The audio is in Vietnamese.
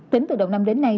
tính từ đầu năm đến nay